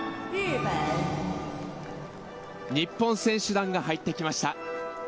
日本選手団が入ってきました。